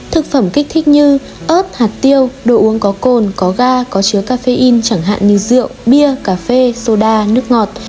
thực phẩm kích thích như ớt hạt tiêu đồ uống có cồn có ga có chứa caffeine chẳng hạn như rượu bia cà phê soda nước ngọt